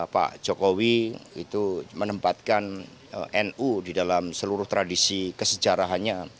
pak jokowi itu menempatkan nu di dalam seluruh tradisi kesejarahannya